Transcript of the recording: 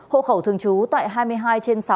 hộ khẩu thường trú tại hai mươi hai trên sáu